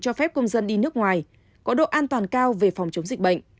cho phép công dân đi nước ngoài có độ an toàn cao về phòng chống dịch bệnh